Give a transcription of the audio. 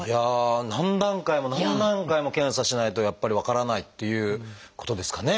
何段階も何段階も検査しないとやっぱり分からないっていうことですかね。